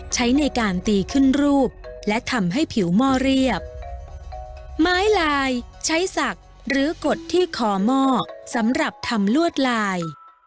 ใช้ในการตีขึ้นรูปและทำให้ผิวหม้อเรียบไม้ลายใช้ศักดิ์หรือกดที่คอหม้อสำหรับทำลวดลาย